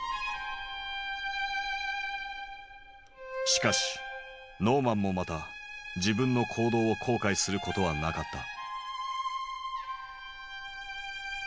しかしノーマンもまた自分の行動を後悔することはなかった。